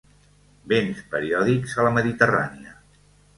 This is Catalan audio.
Vents periòdics a la Mediterrània.